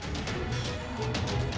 tim liputan cnn indonesia